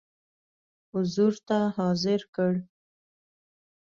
حضور ته حاضر کړ.